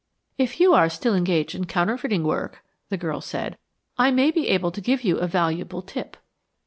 "If you are still engaged in counterfeiting work," she said, "I may be able to give you a valuable tip."